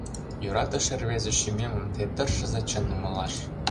Йӧратыше рвезе шӱмемым Те тыршыза чын умылаш.